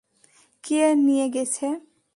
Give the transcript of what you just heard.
কে নিয়ে গেছে?